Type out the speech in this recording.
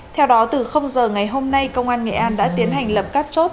theo đó từ giờ ngày hôm nay công an nghệ an đã tiến hành lập các chốt